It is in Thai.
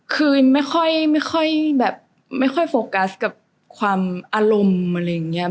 คือไม่ค่อยแบบไม่ค่อยโฟกัสกับความอารมณ์อะไรอย่างนี้